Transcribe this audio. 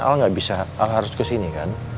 tapi kan al gak bisa al harus ke sini kan